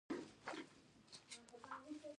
بيا د نورستان اطلاعاتو او فرهنګ رياست ته لاړم.